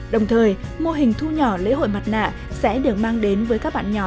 đồng thời mô hình thu nhỏ lễ hội mặt nạ sẽ được mang đến với các bạn nhỏ